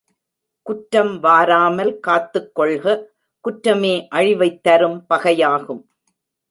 குற்றம் வாராமல் காத்துக்கொள்க குற்றமே அழிவைத் தரும் பகையாகும்.